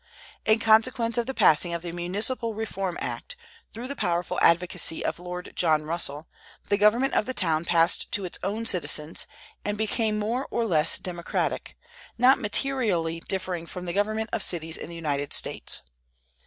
In consequence of the passing of the municipal reform act, through the powerful advocacy of Lord John Russell, the government of the town passed to its own citizens, and became more or less democratic, not materially differing from the government of cities in the United States.